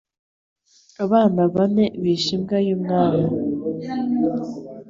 Abana bane bishe imbwa y'umwami.